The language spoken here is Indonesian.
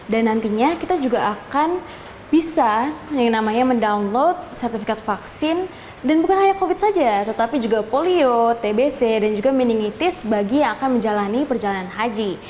dan nantinya kita juga akan bisa yang namanya mendownload sertifikat vaksin dan bukan hanya covid saja tetapi juga polio tbc dan juga meningitis bagi yang akan menjalani perjalanan haji